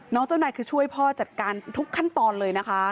เจ้านายคือช่วยพ่อจัดการทุกขั้นตอนเลยนะคะ